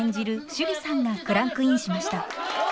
趣里さんがクランクインしました。